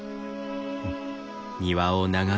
うん。